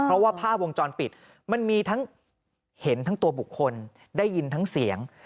เพราะว่าภาพวงจรปิดมันมีทั้งเห็นทั้งตัวบุคคลได้ยินทั้งเสียง